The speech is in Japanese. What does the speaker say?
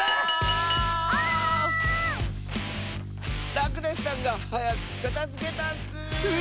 らくだしさんがはやくかたづけたッス！